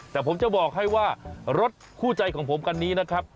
แต่ผมจะบอกให้ว่ารถคู่ใจของผมคันนี้นะครับ